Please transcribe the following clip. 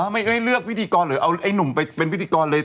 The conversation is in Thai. ไม่เลือกพิธีกรเลย